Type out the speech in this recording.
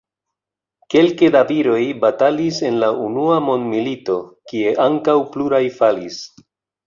Kelke da viroj batalis en la unua mondmilito, kie ankaŭ pluraj falis.